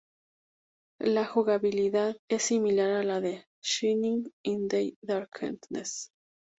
La jugabilidad es similar a la de Shining in the Darkness.